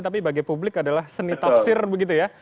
tapi bagi publik adalah seni tafsir begitu ya